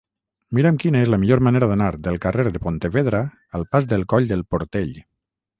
Mira'm quina és la millor manera d'anar del carrer de Pontevedra al pas del Coll del Portell.